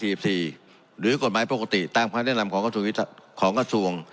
หรือกฎหมายปกติตามความแนะนำของกระทรวง